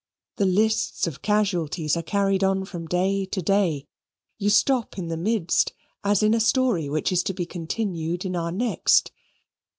The lists of casualties are carried on from day to day: you stop in the midst as in a story which is to be continued in our next.